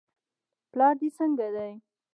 پلار دې څنګه دی.